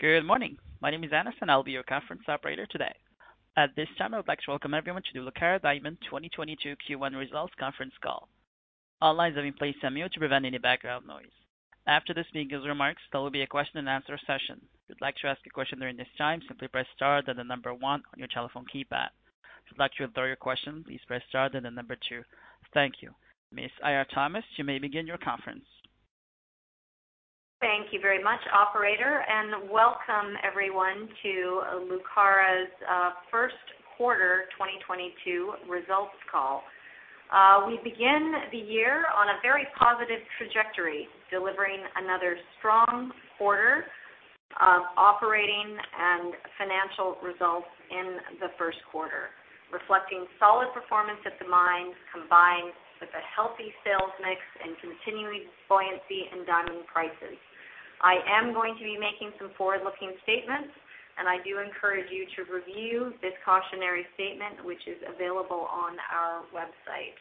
Good morning. My name is Anas, and I'll be your conference operator today. At this time, I would like to welcome everyone to the Lucara Diamond 2022 Q1 results conference call. All lines have been placed on mute to prevent any background noise. After the speaker's remarks, there will be a question-and-answer session. If you'd like to ask a question during this time, simply press star, then the number one on your telephone keypad. If you'd like to withdraw your question, please press star, then the number two. Thank you. Ms. Eira Thomas, you may begin your conference. Thank you very much, operator, and welcome everyone to Lucara's first quarter 2022 results call. We begin the year on a very positive trajectory, delivering another strong quarter of operating and financial results in the first quarter, reflecting solid performance at the mines, combined with a healthy sales mix and continuing buoyancy in diamond prices. I am going to be making some forward-looking statements, and I do encourage you to review this cautionary statement, which is available on our website.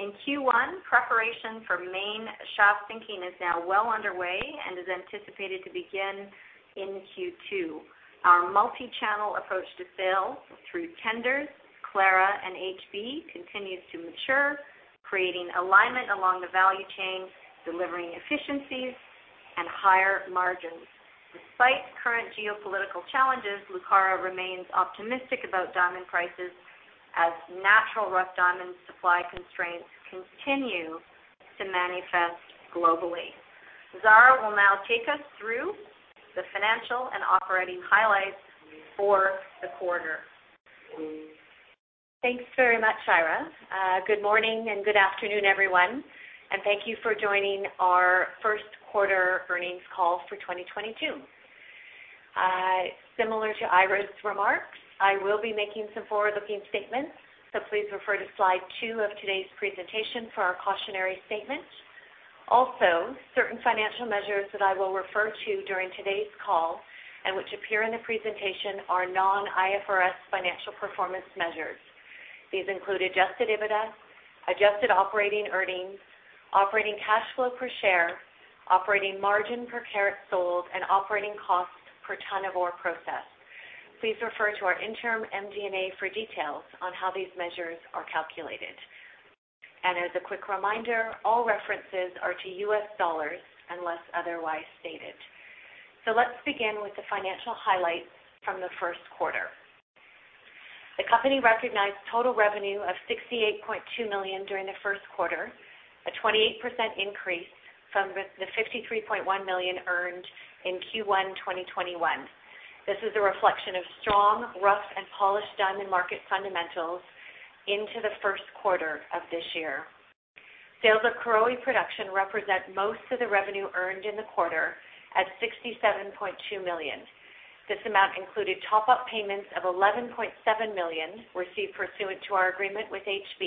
In Q1, preparation for main shaft sinking is now well underway and is anticipated to begin in Q2. Our multichannel approach to sales through tenders, Clara and HB, continues to mature, creating alignment along the value chain, delivering efficiencies and higher margins. Despite current geopolitical challenges, Lucara remains optimistic about diamond prices as natural rough diamonds supply constraints continue to manifest globally. Zara will now take us through the financial and operating highlights for the quarter. Thanks very much, Eira. Good morning and good afternoon, everyone, and thank you for joining our first quarter earnings call for 2022. Similar to Eira's remarks, I will be making some forward-looking statements, so please refer to slide two of today's presentation for our cautionary statement. Also, certain financial measures that I will refer to during today's call and which appear in the presentation are non-IFRS financial performance measures. These include adjusted EBITDA, adjusted operating earnings, operating cash flow per share, operating margin per carat sold, and operating costs per ton of ore processed. Please refer to our interim MD&A for details on how these measures are calculated. As a quick reminder, all references are to U.S. dollars unless otherwise stated. Let's begin with the financial highlights from the first quarter. The company recognized total revenue of $68.2 million during the first quarter, a 28% increase from the $53.1 million earned in Q1 2021. This is a reflection of strong rough and polished diamond market fundamentals into the first quarter of this year. Sales of Karowe production represent most of the revenue earned in the quarter at $67.2 million. This amount included top-up payments of $11.7 million received pursuant to our agreement with HB,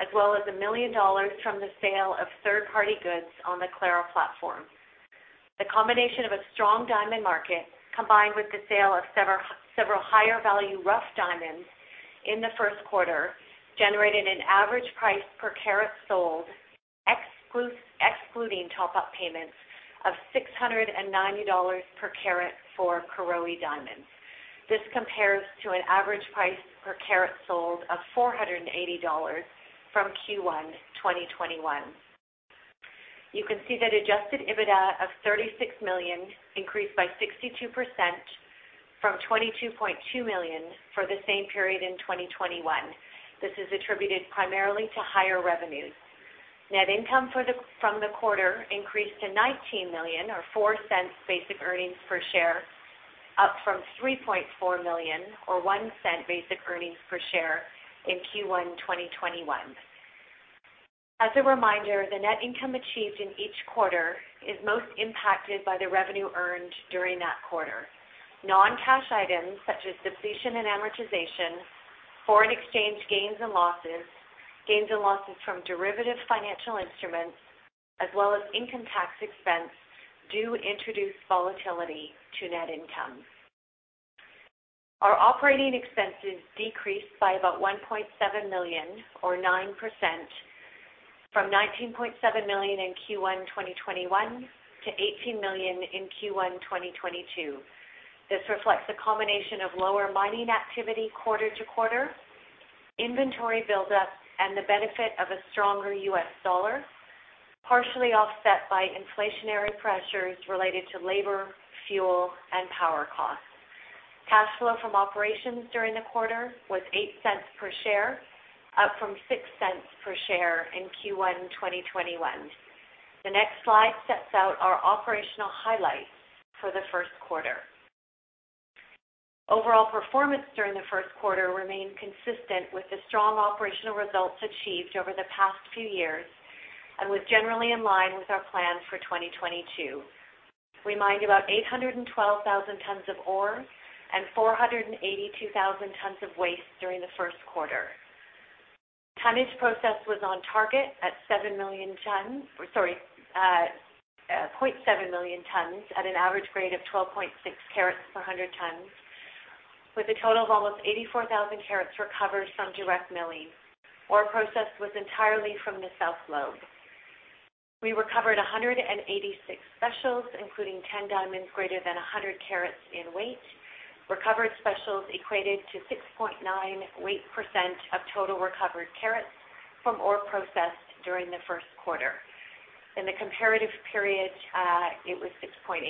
as well as $1 million from the sale of third-party goods on the Clara platform. The combination of a strong diamond market, combined with the sale of several higher value rough diamonds in the first quarter, generated an average price per carat sold excluding top-up payments of $690 per carat for Karowe diamonds. This compares to an average price per carat sold of $480 from Q1 2021. You can see that adjusted EBITDA of $36 million increased by 62% from $22.2 million for the same period in 2021. This is attributed primarily to higher revenues. Net income from the quarter increased to $19 million or $0.04 basic earnings per share, up from $3.4 million or $0.01 basic earnings per share in Q1 2021. As a reminder, the net income achieved in each quarter is most impacted by the revenue earned during that quarter. Non-cash items such as depletion and amortization, foreign exchange gains and losses, gains and losses from derivative financial instruments, as well as income tax expense, do introduce volatility to net income. Our operating expenses decreased by about $1.7 million or 9% from $19.7 million in Q1 2021 to $18 million in Q1 2022. This reflects a combination of lower mining activity quarter-over-quarter, inventory buildup, and the benefit of a stronger U.S. dollar, partially offset by inflationary pressures related to labor, fuel, and power costs. Cash flow from operations during the quarter was $0.08 per share, up from $0.06 per share in Q1 2021. The next slide sets out our operational highlights for the first quarter. Overall performance during the first quarter remained consistent with the strong operational results achieved over the past few years and was generally in line with our plans for 2022. We mined about 812,000 tons of ore and 482,000 tons of waste during the first quarter. Tonnage processed was on target at 700,000 tons at an average grade of 12.6 carats per 100 tons. A total of almost 84,000 carats was recovered from direct milling. Ore processed was entirely from the South Lobe. We recovered 186 specials, including 10 diamonds greater than 100 carats in weight. Recovered specials equated to 6.9 weight percent of total recovered carats from ore processed during the first quarter. In the comparative period, it was 6.8%.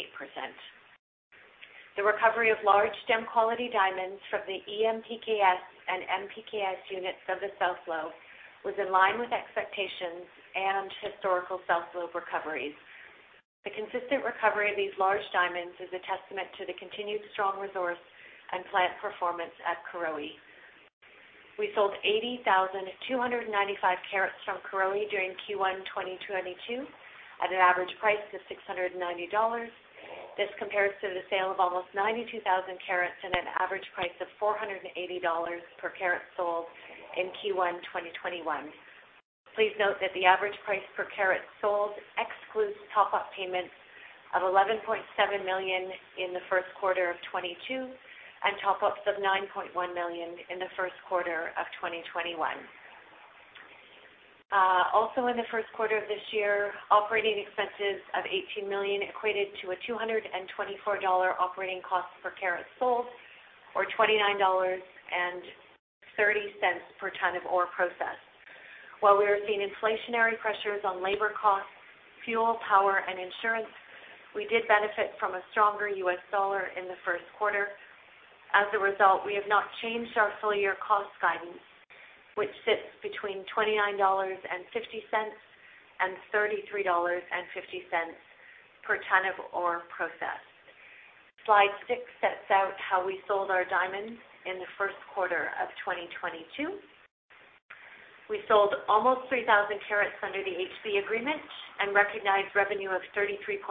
The recovery of large stone quality diamonds from the EM/PK(S) and M/PK(S) units of the South Lobe was in line with expectations and historical South Lobe recoveries. The consistent recovery of these large diamonds is a testament to the continued strong resource and plant performance at Karowe. We sold 80,295 carats from Karowe during Q1 2022 at an average price of $690. This compares to the sale of almost 92,000 carats at an average price of $480 per carat sold in Q1 2021. Please note that the average price per carat sold excludes top-up payments of $11.7 million in the first quarter of 2022 and top-ups of $9.1 million in the first quarter of 2021. Also in the first quarter of this year, operating expenses of $18 million equated to a $224 operating cost per carat sold or $29.30 per ton of ore processed. While we are seeing inflationary pressures on labor costs, fuel, power, and insurance, we did benefit from a stronger U.S. dollar in the first quarter. As a result, we have not changed our full-year cost guidance, which sits between $29.50 and $33.50 per ton of ore processed. Slide six sets out how we sold our diamonds in the first quarter of 2022. We sold almost 3,000 carats under the HB agreement and recognized revenue of $33.5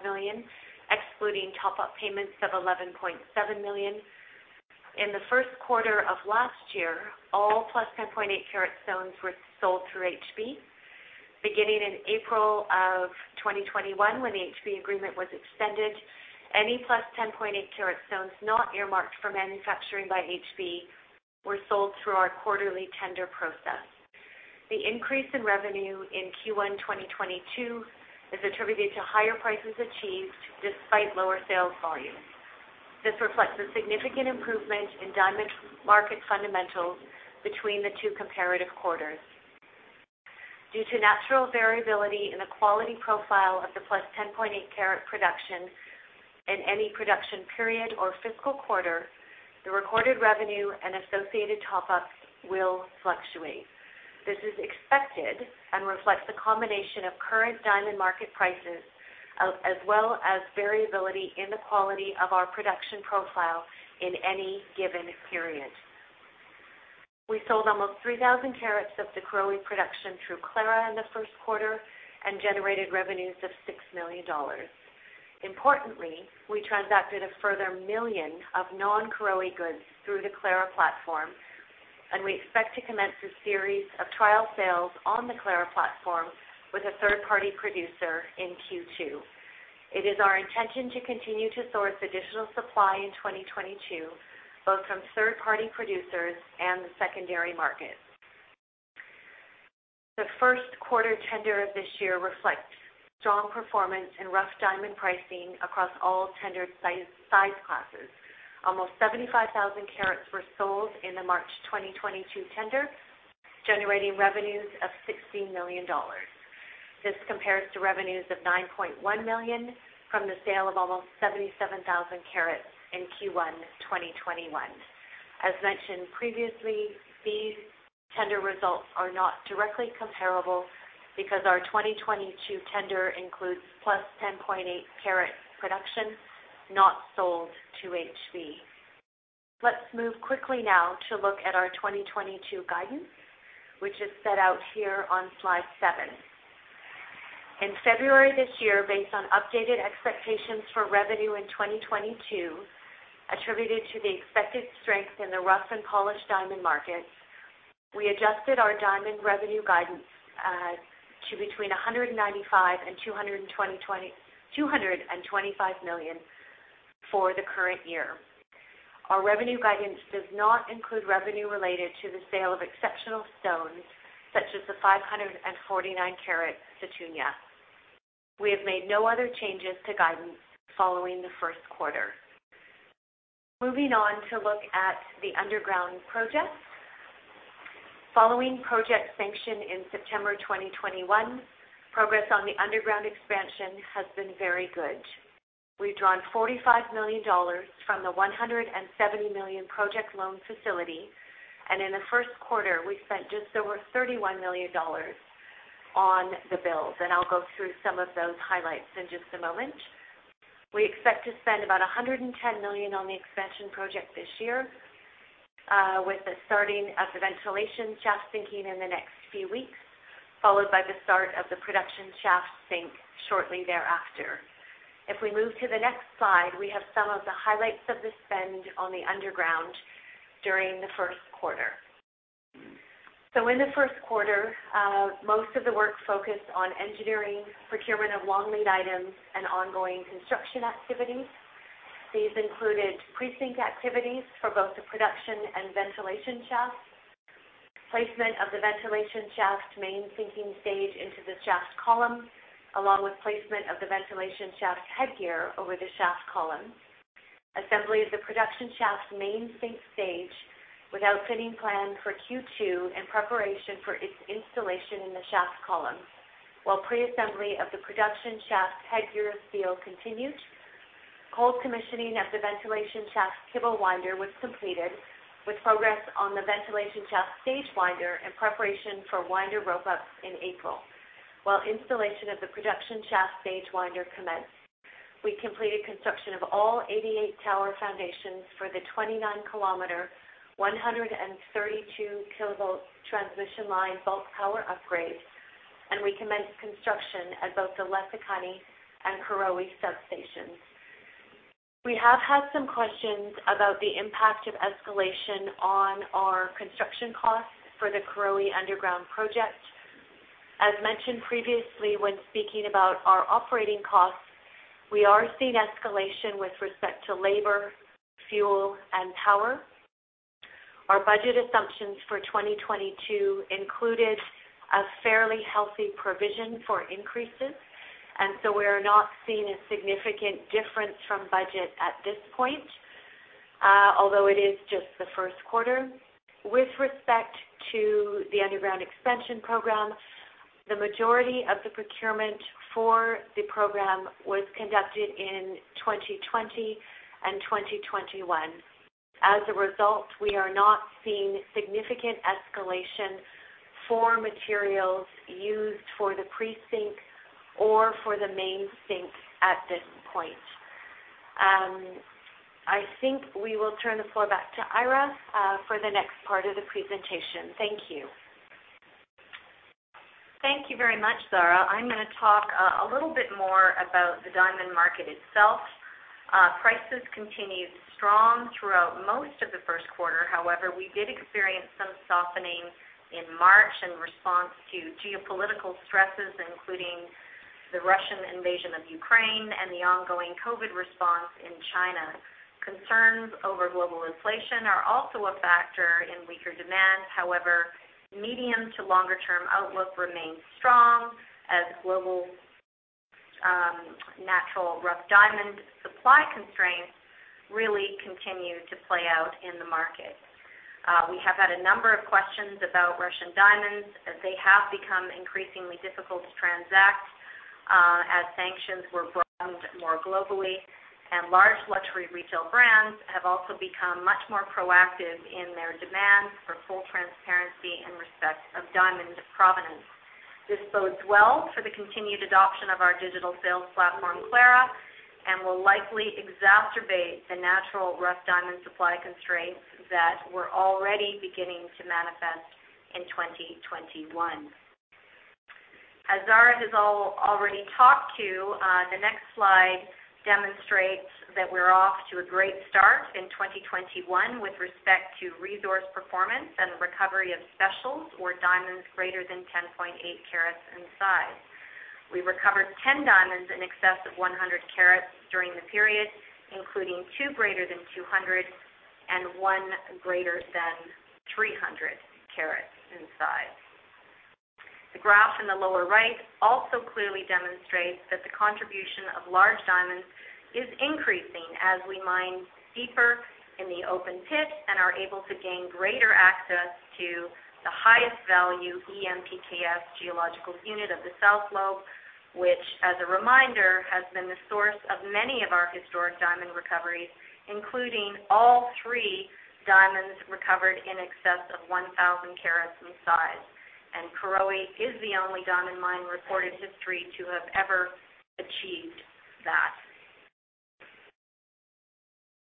million, excluding top-up payments of $11.7 million. In the first quarter of last year, all +10.8-carat stones were sold through HB. Beginning in April of 2021, when the HB agreement was extended, any +10.8-carat stones not earmarked for manufacturing by HB were sold through our quarterly tender process. The increase in revenue in Q1 2022 is attributed to higher prices achieved despite lower sales volumes. This reflects a significant improvement in diamond market fundamentals between the two comparative quarters. Due to natural variability in the quality profile of the +10.8-carat production in any production period or fiscal quarter, the recorded revenue and associated top-ups will fluctuate. This is expected and reflects the combination of current diamond market prices as well as variability in the quality of our production profile in any given period. We sold almost 3,000 carats of the Karowe production through Clara in the first quarter and generated revenues of $6 million. Importantly, we transacted a further 1 million of non-Karowe goods through the Clara platform, and we expect to commence a series of trial sales on the Clara platform with a third-party producer in Q2. It is our intention to continue to source additional supply in 2022, both from third-party producers and the secondary market. The first quarter tender of this year reflects strong performance in rough diamond pricing across all tendered size classes. Almost 75,000 carats were sold in the March 2022 tender, generating revenues of $60 million. This compares to revenues of $9.1 million from the sale of almost 77,000 carats in Q1 2021. As mentioned previously, these tender results are not directly comparable because our 2022 tender includes +10.8-carat production not sold to HB. Let's move quickly now to look at our 2022 guidance, which is set out here on slide seven. In February this year, based on updated expectations for revenue in 2022, attributed to the expected strength in the rough and polished diamond markets, we adjusted our diamond revenue guidance to between $195 million and $225 million for the current year. Our revenue guidance does not include revenue related to the sale of exceptional stones, such as the 549-carat Sethunya. We have made no other changes to guidance following the first quarter. Moving on to look at the underground project. Following project sanction in September 2021, progress on the underground expansion has been very good. We've drawn $45 million from the $170 million project loan facility, and in the first quarter, we spent just over $31 million on the build. I'll go through some of those highlights in just a moment. We expect to spend about $110 million on the expansion project this year, with the starting of the ventilation shaft sinking in the next few weeks, followed by the start of the production shaft sink shortly thereafter. If we move to the next slide, we have some of the highlights of the spend on the underground during the first quarter. In the first quarter, most of the work focused on engineering, procurement of long lead items, and ongoing construction activities. These included pre-sink activities for both the production and ventilation shafts, placement of the ventilation shaft's main sinking stage into the shaft column, along with placement of the ventilation shaft's headgear over the shaft column. Assembly of the production shaft's main sink stage with outfitting planned for Q2 in preparation for its installation in the shaft column, while pre-assembly of the production shaft headgear steel continued. Cold commissioning of the ventilation shaft's kibble winder was completed, with progress on the ventilation shaft stage winder and preparation for winder rope-up in April, while installation of the production shaft stage winder commenced. We completed construction of all 88 tower foundations for the 29 km, 132 kV transmission line bulk power upgrade, and we commenced construction at both the Letlhakane and Karowe substations. We have had some questions about the impact of escalation on our construction costs for the Karowe Underground Project. As mentioned previously when speaking about our operating costs, we are seeing escalation with respect to labor, fuel, and power. Our budget assumptions for 2022 included a fairly healthy provision for increases, and so we are not seeing a significant difference from budget at this point, although it is just the first quarter. With respect to the underground expansion program, the majority of the procurement for the program was conducted in 2020 and 2021. As a result, we are not seeing significant escalation for materials used for the pre-sink or for the main sink at this point. I think we will turn the floor back to Eira for the next part of the presentation. Thank you. Thank you very much, Zara. I'm gonna talk a little bit more about the diamond market itself. Prices continued strong throughout most of the first quarter. However, we did experience some softening in March in response to geopolitical stresses, including the Russian invasion of Ukraine and the ongoing COVID response in China. Concerns over global inflation are also a factor in weaker demand. However, medium to longer term outlook remains strong as global natural rough diamond supply constraints really continue to play out in the market. We have had a number of questions about Russian diamonds as they have become increasingly difficult to transact as sanctions were broadened more globally. Large luxury retail brands have also become much more proactive in their demands for full transparency in respect of diamonds' provenance. This bodes well for the continued adoption of our digital sales platform, Clara, and will likely exacerbate the natural rough diamond supply constraints that were already beginning to manifest in 2021. As Zara has already talked to, the next slide demonstrates that we're off to a great start in 2021 with respect to resource performance and recovery of specials or diamonds greater than 10.8 carats in size. We recovered 10 diamonds in excess of 100 carats during the period, including two greater than 200 and one greater than 300 carats in size. The graph in the lower right also clearly demonstrates that the contribution of large diamonds is increasing as we mine deeper in the open pit and are able to gain greater access to the highest value EM/PK(S) geological unit of the South Lobe, which, as a reminder, has been the source of many of our historic diamond recoveries, including all 3 diamonds recovered in excess of 1,000 carats in size. Karowe is the only diamond mine in reported history to have ever achieved that.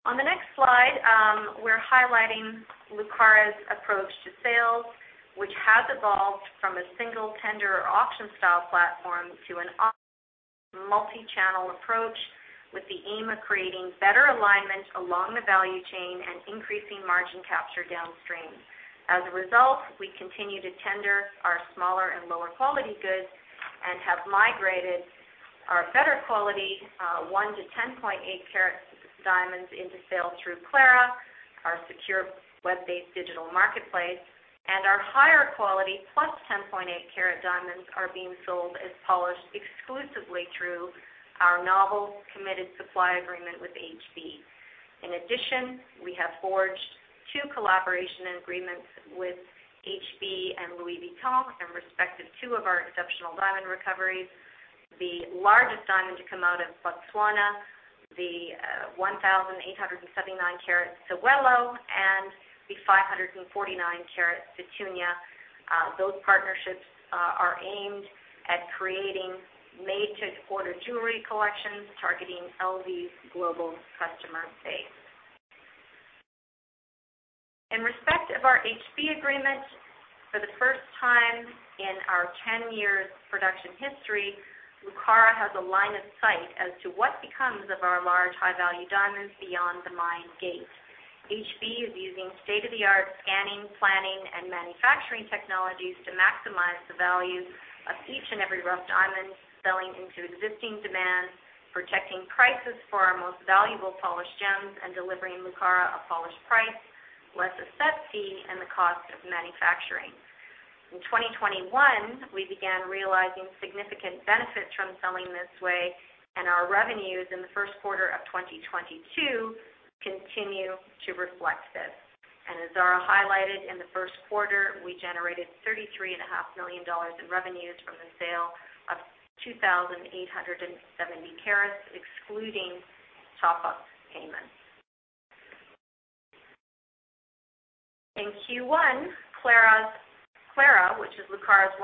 On the next slide, we're highlighting Lucara's approach to sales, which has evolved from a single tender auction style platform to an omnichannel approach with the aim of creating better alignment along the value chain and increasing margin capture downstream. As a result, we continue to tender our smaller and lower quality goods and have migrated our better quality, 1-10.8-carat diamonds into sale through Clara, our secure web-based digital marketplace. Our higher quality plus 10.8-carat diamonds are being sold as polished exclusively through our novel committed supply agreement with HB. In addition, we have forged two collaboration agreements with HB and Louis Vuitton in respect of two of our exceptional diamond recoveries, the largest diamond to come out of Botswana, the 1,879-carat Sewelô, and the 549-carat Sethunya. Those partnerships are aimed at creating made-to-order jewelry collections targeting LV's global customer base. In respect of our HB agreement, for the first time in our 10 years production history, Lucara has a line of sight as to what becomes of our large high-value diamonds beyond the mine gate. HB is using state-of-the-art scanning, planning, and manufacturing technologies to maximize the value of each and every rough diamond selling into existing demand, protecting prices for our most valuable polished gems, and delivering Lucara a polished price, less a set fee and the cost of manufacturing. In 2021, we began realizing significant benefits from selling this way, and our revenues in the first quarter of 2022 continue to reflect this. As Zara highlighted, in the first quarter, we generated $33.5 million in revenues from the sale of 2,870 carats, excluding top-up payments. In Q1, Clara, which is Lucara's 100%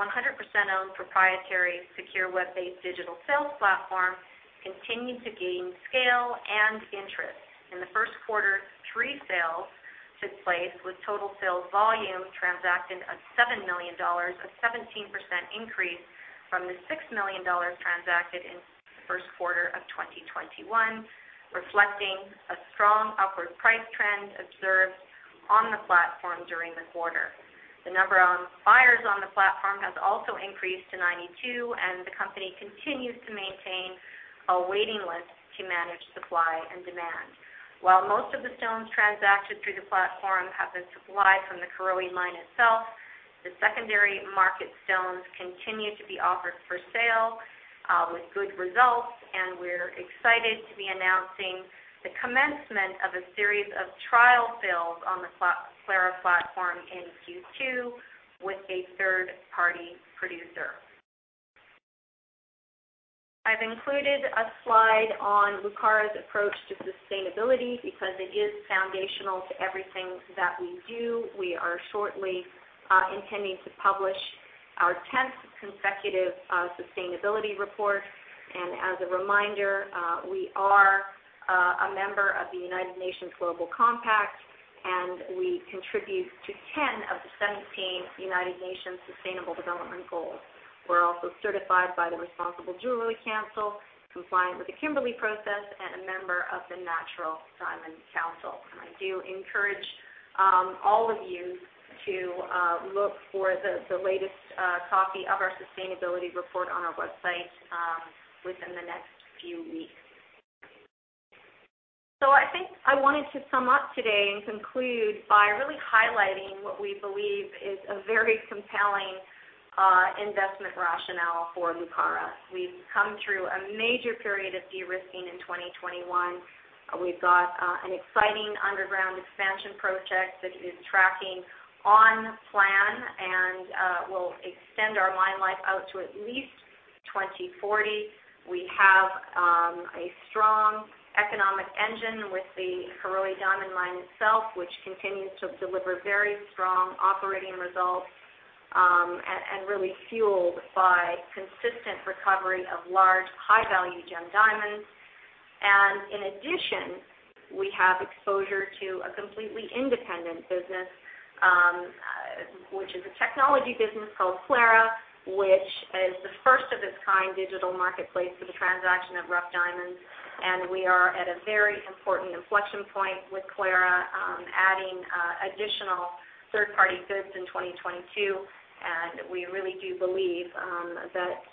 owned proprietary secure web-based digital sales platform, continued to gain scale and interest. In the first quarter, three sales took place, with total sales volume transacted of $7 million, a 17% increase from the $6 million transacted in the first quarter of 2021, reflecting a strong upward price trend observed on the platform during the quarter. The number of buyers on the platform has also increased to 92, and the company continues to maintain a waiting list to manage supply and demand. While most of the stones transacted through the platform have been supplied from the Karowe mine itself, the secondary market stones continue to be offered for sale with good results, and we're excited to be announcing the commencement of a series of trial sales on the Clara platform in Q2 with a third-party producer. I've included a slide on Lucara's approach to sustainability because it is foundational to everything that we do. We are shortly intending to publish our tenth consecutive sustainability report. As a reminder, we are a member of the United Nations Global Compact, and we contribute to 10 of the 17 United Nations Sustainable Development Goals. We're also certified by the Responsible Jewellery Council, compliant with the Kimberley Process, and a member of the Natural Diamond Council. I do encourage all of you to look for the latest copy of our sustainability report on our website within the next few weeks. I think I wanted to sum up today and conclude by really highlighting what we believe is a very compelling investment rationale for Lucara. We've come through a major period of de-risking in 2021. We've got an exciting underground expansion project that is tracking on plan and will extend our mine life out to at least 2040. We have a strong economic engine with the Karowe Mine itself, which continues to deliver very strong operating results, and really fueled by consistent recovery of large, high-value gem diamonds. In addition, we have exposure to a completely independent business, which is a technology business called Clara, which is the first of its kind digital marketplace for the transaction of rough diamonds. We are at a very important inflection point with Clara, adding additional third-party goods in 2022. We really do believe that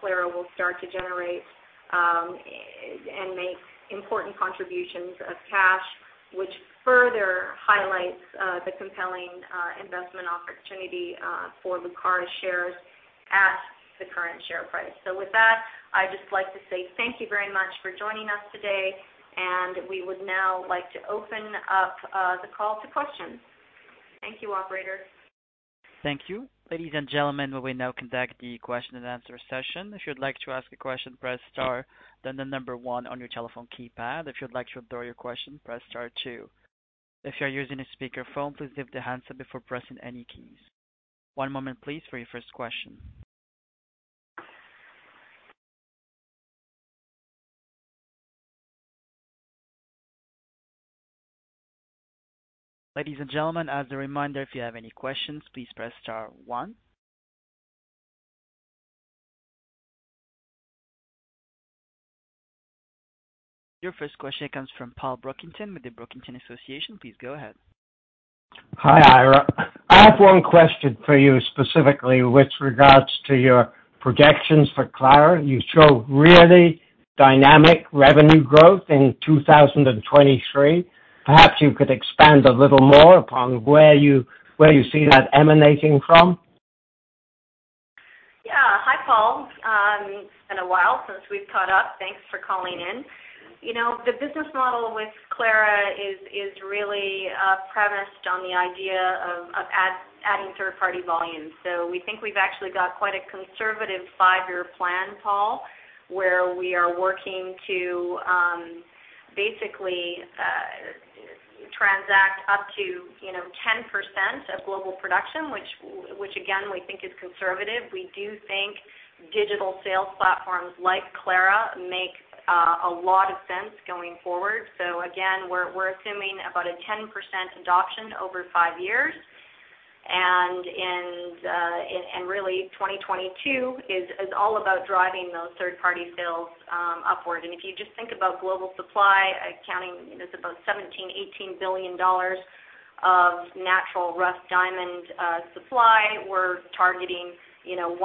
Clara will start to generate and make important contributions of cash, which further highlights the compelling investment opportunity for Lucara shares at the current share price. With that, I'd just like to say thank you very much for joining us today, and we would now like to open up the call to questions. Thank you, operator. Thank you. Ladies and gentlemen, we will now conduct the question-and-answer session. If you'd like to ask a question, press star, then the number one on your telephone keypad. If you'd like to withdraw your question, press star two. If you're using a speakerphone, please lift the handset before pressing any keys. One moment please for your first question. Ladies and gentlemen, as a reminder, if you have any questions, please press star one. Your first question comes from Paul Brockington with the Brockington Associates. Please go ahead. Hi, Eira. I have one question for you specifically with regards to your projections for Clara. You show really dynamic revenue growth in 2023. Perhaps you could expand a little more upon where you see that emanating from? Yeah. Hi, Paul. It's been a while since we've caught up. Thanks for calling in. You know, the business model with Clara is really premised on the idea of adding third-party volume. We think we've actually got quite a conservative five-year plan, Paul, where we are working to basically transact up to, you know, 10% of global production, which again we think is conservative. We do think digital sales platforms like Clara make a lot of sense going forward. We're assuming about a 10% adoption over five years. Really 2022 is all about driving those third-party sales upward. If you just think about global supply accounting, it's about $17 billion-$18 billion of natural rough diamond supply. We're targeting, you know, $1.5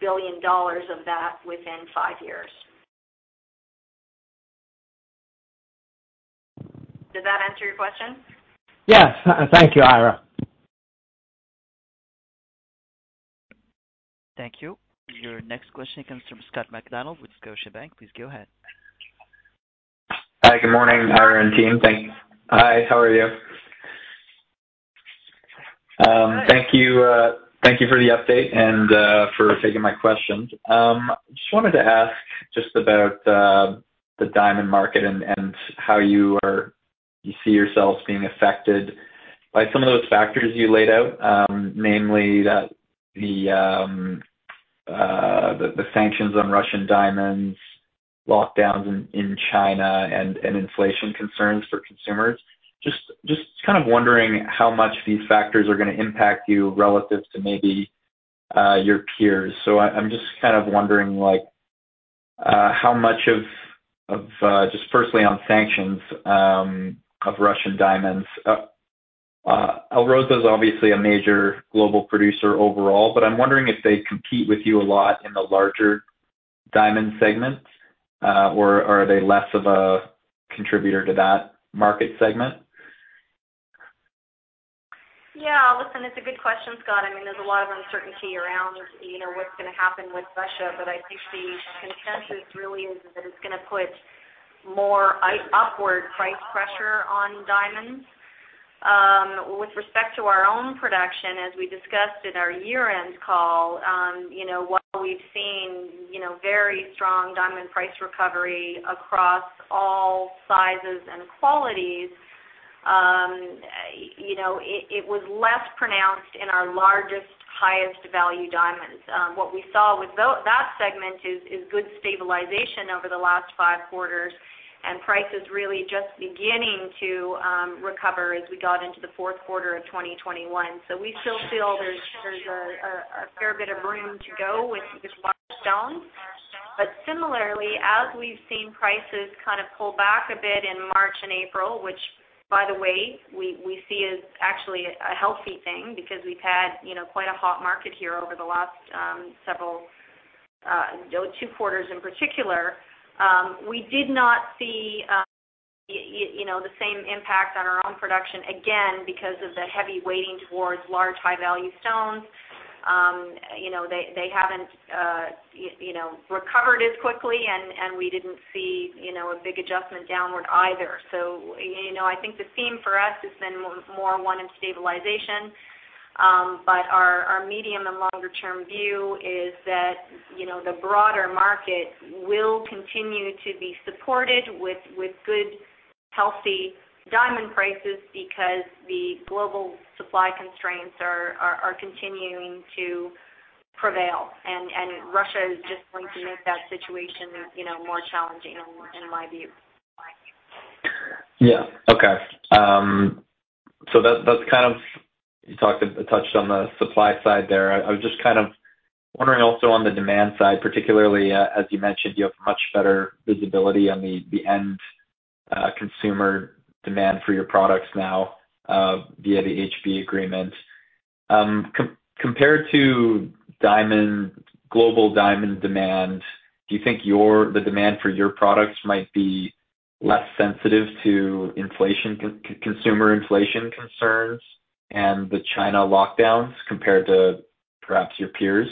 billion of that within five years. Does that answer your question? Yes. Thank you, Eira. Thank you. Your next question comes from Scott Macdonald with Scotiabank. Please go ahead. Hi, good morning, Eira, and team. Thanks. Hi, how are you? Thank you for the update and for taking my questions. Just wanted to ask just about the diamond market and how you see yourselves being affected by some of those factors you laid out, mainly the sanctions on Russian diamonds, lockdowns in China and inflation concerns for consumers. Just kind of wondering how much these factors are gonna impact you relative to maybe your peers. I'm just kind of wondering, like, how much of just personally on sanctions of Russian diamonds. ALROSA is obviously a major global producer overall, but I'm wondering if they compete with you a lot in the larger diamond segment, or are they less of a contributor to that market segment? Yeah. Listen, it's a good question, Scott. I mean, there's a lot of uncertainty around, you know, what's gonna happen with Russia. I think the consensus really is that it's gonna put more upward price pressure on diamonds. With respect to our own production, as we discussed in our year-end call, you know, while we've seen, you know, very strong diamond price recovery across all sizes and qualities, you know, it was less pronounced in our largest, highest value diamonds. What we saw with that segment is good stabilization over the last five quarters, and prices really just beginning to recover as we got into the fourth quarter of 2021. We still feel there's a fair bit of room to go with large stones. Similarly, as we've seen prices kind of pull back a bit in March and April, which, by the way, we see as actually a healthy thing because we've had, you know, quite a hot market here over the last several two quarters in particular. We did not see, you know, the same impact on our own production, again, because of the heavy weighting towards large, high-value stones. You know, they haven't, you know, recovered as quickly and we didn't see, you know, a big adjustment downward either. You know, I think the theme for us has been more one of stabilization. But our medium and longer-term view is that, you know, the broader market will continue to be supported with good, healthy diamond prices because the global supply constraints are continuing to prevail. Russia is just going to make that situation, you know, more challenging in my view. You touched on the supply side there. I was just kind of wondering also on the demand side, particularly, as you mentioned, you have much better visibility on the end consumer demand for your products now via the HB agreement. Compared to global diamond demand, do you think the demand for your products might be less sensitive to consumer inflation concerns and the China lockdowns compared to perhaps your peers?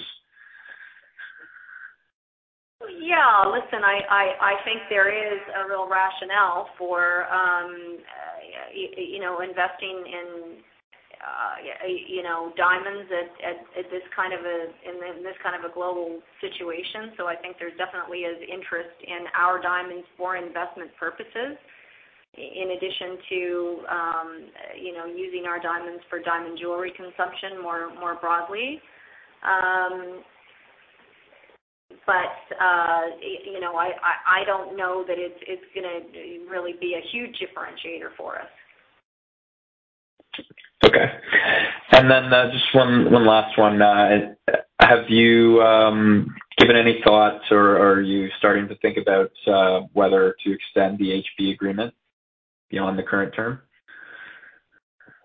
Yeah. Listen, I think there is a real rationale for you know investing in you know diamonds in this kind of global situation. I think there definitely is interest in our diamonds for investment purposes in addition to you know using our diamonds for diamond jewelry consumption more broadly. You know, I don't know that it's gonna really be a huge differentiator for us. Okay. Just one last one. Have you given any thoughts or are you starting to think about whether to extend the HB agreement beyond the current term?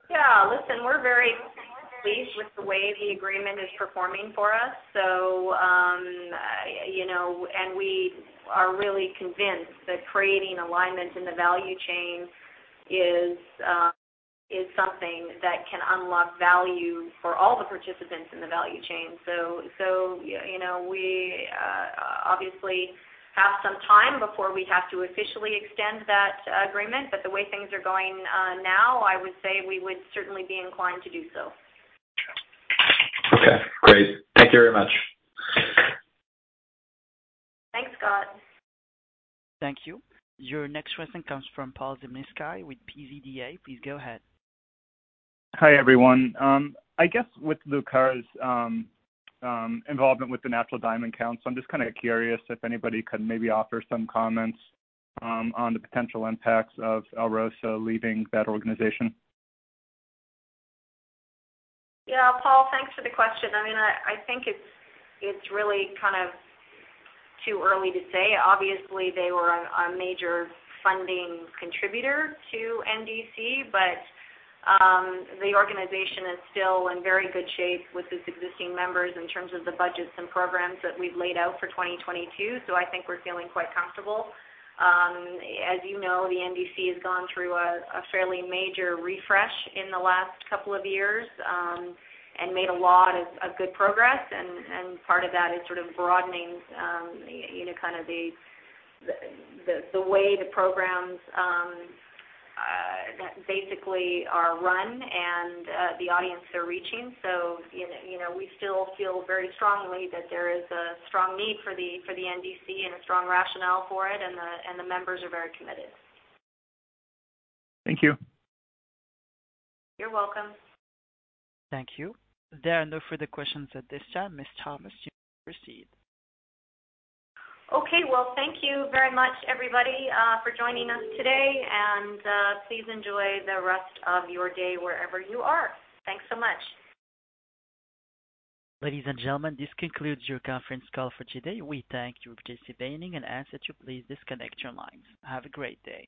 Yeah. Listen, we're very pleased with the way the agreement is performing for us. You know, and we are really convinced that creating alignment in the value chain is something that can unlock value for all the participants in the value chain. You know, we obviously have some time before we have to officially extend that agreement. The way things are going now, I would say we would certainly be inclined to do so. Okay, great. Thank you very much. Thanks, Scott. Thank you. Your next question comes from Paul Zimnisky with PZDA. Please go ahead. Hi, everyone. I guess with Lucara's involvement with the Natural Diamond Council, I'm just kinda curious if anybody could maybe offer some comments on the potential impacts of ALROSA leaving that organization? Yeah, Paul, thanks for the question. I mean, I think it's really kind of too early to say. Obviously, they were a major funding contributor to NDC, but the organization is still in very good shape with its existing members in terms of the budgets and programs that we've laid out for 2022. I think we're feeling quite comfortable. As you know, the NDC has gone through a fairly major refresh in the last couple of years and made a lot of good progress. Part of that is sort of broadening, you know, kind of the way the programs basically are run and the audience they're reaching. you know, we still feel very strongly that there is a strong need for the NDC and a strong rationale for it, and the members are very committed. Thank you. You're welcome. Thank you. There are no further questions at this time. Eira Thomas, you may proceed. Okay. Well, thank you very much, everybody, for joining us today. Please enjoy the rest of your day wherever you are. Thanks so much. Ladies and gentlemen, this concludes your conference call for today. We thank you for participating and ask that you please disconnect your lines. Have a great day.